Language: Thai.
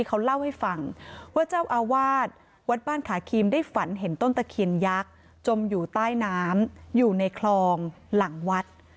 เขาเล่าให้ฟังว่าเจ้าอาวาสวัดบ้านขาครีมได้ฝันเห็นต้นตะเคียนยักษ์จมอยู่ใต้น้ำอยู่ในคลองหลังวัด